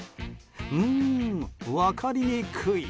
うーん、分かりにくい。